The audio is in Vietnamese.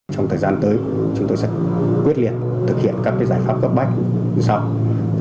trong thời gian tới chúng tôi sẽ quyết liệt thực hiện các giải pháp cấp bách như sau